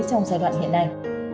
trong giai đoạn hiện nay